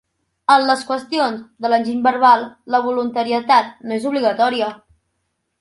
En les qüestions de l'enginy verbal la voluntarietat no és obligatòria.